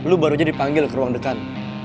lo baru aja dipanggil ke ruang dekan